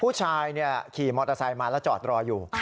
ผู้ชายขี่มอเตอร์ไซค์มาแล้วจอดรออยู่